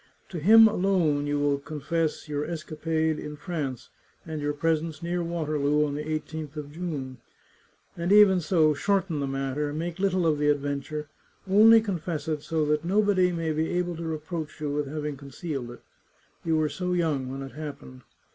To him alone you will confess your escapade in France, and your presence near Waterloo on the 1 8th of June. And even so, shorten the matter, make little of the adventure ; only confess it so that nobody may be able to reproach you with having concealed it — you were so young when it happened.